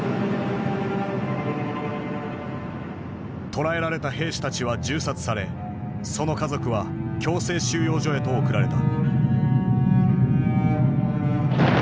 捕らえられた兵士たちは銃殺されその家族は強制収容所へと送られた。